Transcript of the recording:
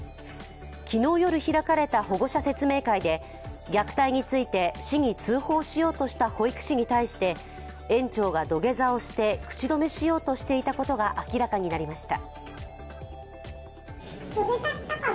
昨日夜開かれた保護者説明会で虐待について市に通報しようとした保育士に対して、園長が土下座をして口止めしようとしていたことが明らかになりました。